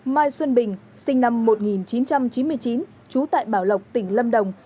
mai xuân bình sinh năm một nghìn chín trăm chín mươi chín trú tại bảo lộc tỉnh lâm đồng